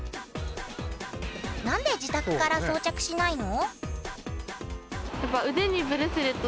何で自宅から装着しないの？